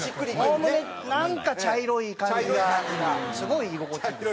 おおむねなんか茶色い感じがすごい居心地いいです。